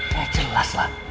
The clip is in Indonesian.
ya jelas lah